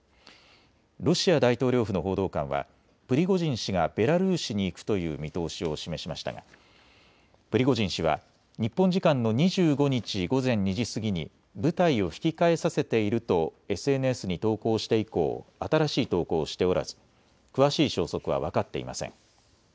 ロシア大統領府の報道官はプリゴジン氏がベラルーシに行くという見通しを示しましたがプリゴジン氏は日本時間の２５日午前２時過ぎに部隊を引き返させているとＳＮＳに投稿して以降新しい投稿をしておらず詳しい消息は分かっていません。